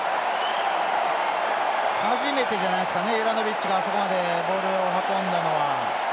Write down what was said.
初めてじゃないですかねユラノビッチがあそこまでボールを運んだのは。